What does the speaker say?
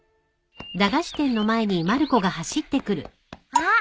あっ！